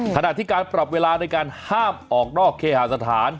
ขณะที่การปรับเวลาในการห้ามออกนอกเคหาสถาน